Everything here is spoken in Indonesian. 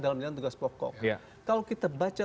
dalam menjalankan tugas pokok kalau kita baca